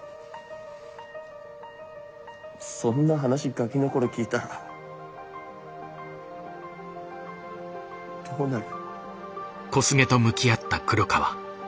そんな話ガキの頃聞いたらどうなる？